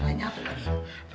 bajunya mana abah